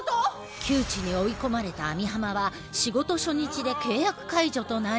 窮地に追い込まれた網浜は仕事初日で契約解除となり。